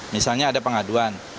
misalnya ada pengaduan